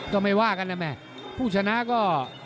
ก็ไม่ว่ากันนะแม่ผู้ชนะก็